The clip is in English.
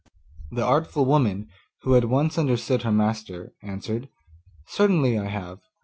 The artful woman, who at once understood her master, answered, 'Certainly I have.